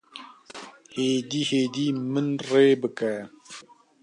Hêdî hêdî min rê bike